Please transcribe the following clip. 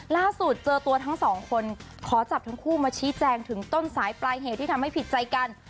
ล่าสุดเจอตัวทั้งสองคนขอจับทั้งคู่มาชี้แจงถึงต้นสายปลายเหตุที่ทำให้ผิดใจกัน